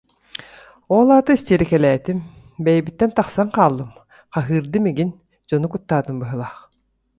Ол аата истиэрикэлээтим, бэйэбиттэн тахсан хааллым, хаһыырдым эҥин, дьону куттаатым быһыылаах